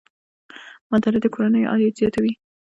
مالدارۍ د کورنیو عاید زیاتوي.